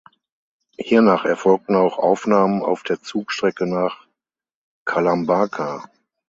Hiernach erfolgten auch Aufnahmen auf der Zugstrecke nach Kalambaka.